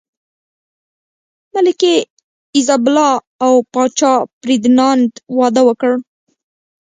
ملکې ایزابلا او پاچا فردیناند واده وکړ.